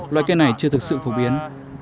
loại cây này chưa thực sự phổ biến